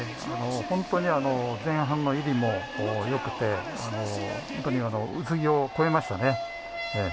本当に前半の入りもよくて本当に宇津木を超えましたね。